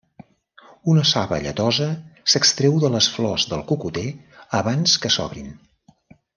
Una saba lletosa s'extreu de les flors del cocoter abans que s'obrin.